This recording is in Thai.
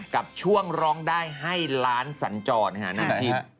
กับช่วงร้องได้ให้ล้านสัญจรนะคะนักภิปศ์